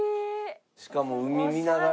しかも海見ながら。